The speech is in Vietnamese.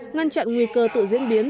ngăn chặn nguy cơ tự diễn biến